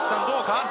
どうか？